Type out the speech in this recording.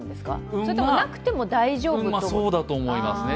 それとも、なくても大丈夫だと。そうだと思いますね。